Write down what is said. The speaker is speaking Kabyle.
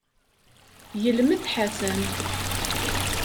Glem-d Ḥasan.